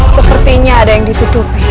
sepertinya ada yang ditutupi